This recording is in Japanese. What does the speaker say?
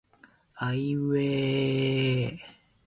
あいうえええええええ